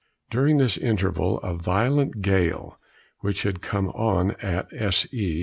During this interval a violent gale, which had come on at S. E.